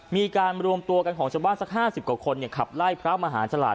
มีการรวมตัวกันของชาวบ้านสักห้าสิบกว่าคนเนี้ยครับไล่พระมหาชลาด